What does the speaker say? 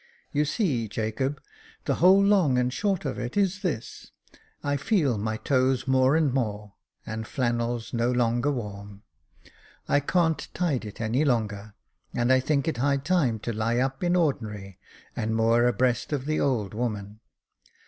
—" You see, Jacob, the whole long and short of it is this, I feel my toes more and more, and flannel's no longer warm. I can't tide it any longer, and I think it high time to lie up in ordinary and moor abreast of the old woman.